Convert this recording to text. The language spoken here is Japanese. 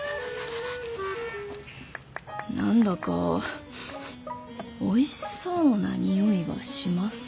何だかおいしそうな匂いがしますね。